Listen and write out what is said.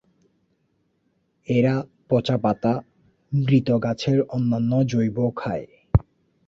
এরা পচা পাতা, মৃত গাছের অন্যান্য জৈব খায়।